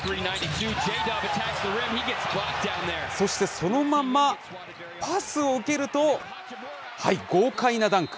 そしてそのままパスを受けると、はい、豪快なダンク。